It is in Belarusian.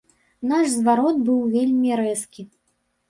Наш зварот быў вельмі рэзкі.